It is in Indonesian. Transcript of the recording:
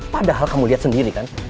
padahal kamu lihat sendiri kan